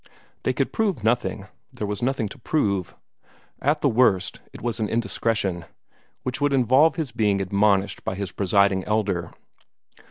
They could prove nothing; there was nothing to prove. At the worst, it was an indiscretion, which would involve his being admonished by his Presiding Elder.